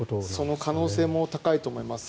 その可能性も高いと思います。